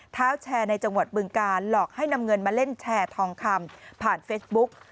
เท้าแชร์ในจังหวัดบึงการหลอกให้นำเงินมาเล่นแชร์ทองคำผ่านเฟซบุ๊ก